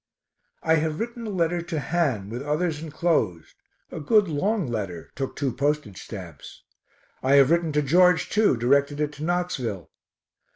I have written a letter to Han, with others enclosed, a good long letter (took two postage stamps). I have written to George too, directed it to Knoxville.